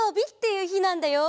いうひなんだよ。